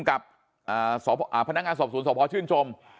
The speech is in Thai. กับพนักงานสอบสวนสพชื่นชม